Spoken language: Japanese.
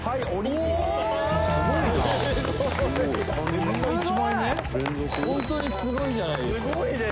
「すごい！」